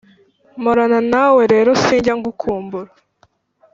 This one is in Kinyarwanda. mporana nawe rero sinjya nkukumbura,